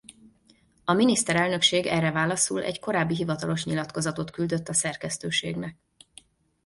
A Miniszterelnökség erre válaszul egy korábbi hivatalos nyilatkozatot küldött a szerkesztőségnek.